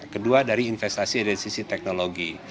kedua dari investasi dari sisi teknologi